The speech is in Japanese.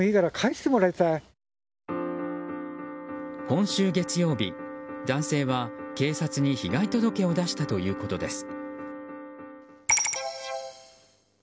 今週月曜日、男性は警察に被害届を出したということです。